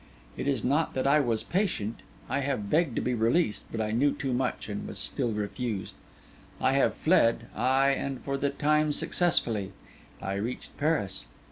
'It is not that I was patient. I have begged to be released; but I knew too much, and I was still refused. I have fled; ay, and for the time successfully. I reached Paris.